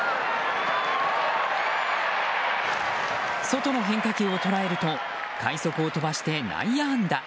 外の変化球を捉えると快足を飛ばして内野安打。